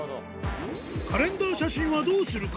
カレンダー写真はどうするか。